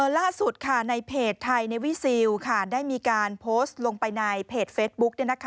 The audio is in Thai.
ล่าสุดในเพจไทยในวิซิลได้มีการโพสต์ลงไปในเพจเฟซบุ๊ก